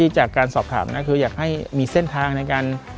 จากการสอบถามนะคืออยากให้มีเส้นทางในการ